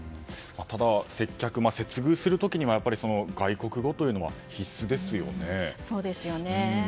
ただ、接客・接遇する時には外国語というのは必須ですよね。